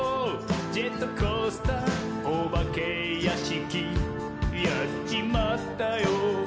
ジェットコースターおばけやしき」「やっちまったよ！